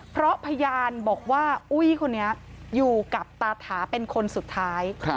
เพราะพยานบอกว่าอุ้ยคนนี้อยู่กับตาถาเป็นคนสุดท้าย